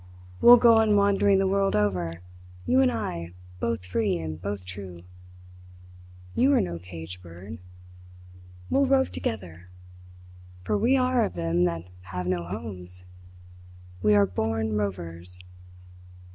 We'll go on wandering the world over, you and I both free and both true. You are no cage bird. We'll rove together, for we are of them that have no homes. We are born rovers!"